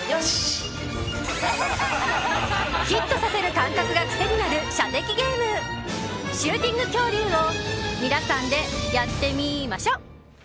ヒットさせる感覚が癖になる射的ゲームシューティング恐竜を皆さんでやってみーましょっ！